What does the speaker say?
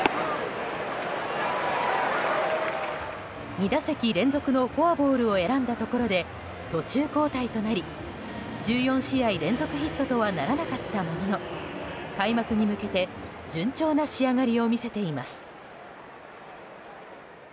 ２打席連続のフォアボールを選んだところで途中交代となり１４試合連続ヒットとはならなかったものの開幕に向けて順調な仕上がりを見せています。